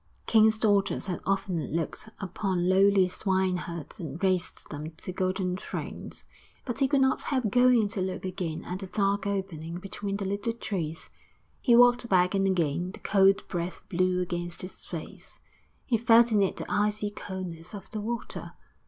Kings' daughters had often looked upon lowly swineherds and raised them to golden thrones. But he could not help going to look again at the dark opening between the little trees. He walked back and again the cold breath blew against his face; he felt in it the icy coldness of the water.